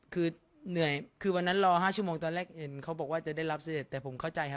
คือเหนื่อยคือวันรอห้าชั่วโมงตอนแรกเขาบอกว่าจะได้รับเศรษฐ์แต่ผมเข้าใจครับ